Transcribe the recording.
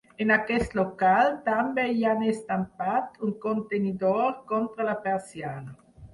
En aquest local també hi han estampat un contenidor contra la persiana.